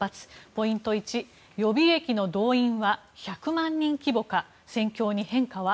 ポイント１、予備役の動員は１００万人規模か戦況に変化は？